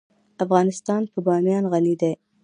افغانستان په بامیان غني دی.